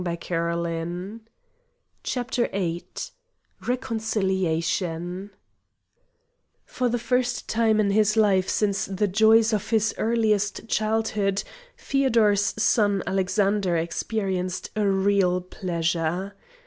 CHAPTER VIII Reconciliation For the first time in his life since the joys of his earliest childhood Feodor's son Alexander experienced a real pleasure.